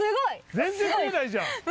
全然見えないじゃん。